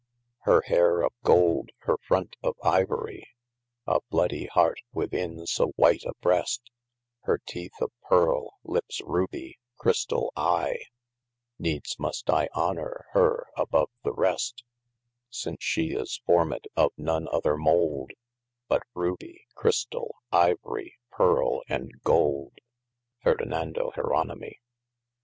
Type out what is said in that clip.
Hir haire of golde, hir front of Ivory, (A bloody heart within so white a breast) Hir teeth of Pearle lippes Rubie, christall eye, Needes must I honour hir above the rest : Since she is fourmed of none other moulde, But Rubie, Christall, Ivory, Pearle, and Golde. Ferdinando Jeronimy.